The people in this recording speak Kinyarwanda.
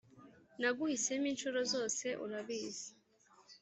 naguhisemoo inshuro zose urabizi